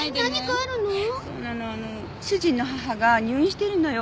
あの主人の母が入院してるのよ。